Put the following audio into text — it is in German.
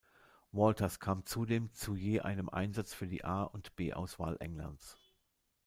Walters kam zudem zu je einem Einsatz für die A- und B-Auswahl Englands.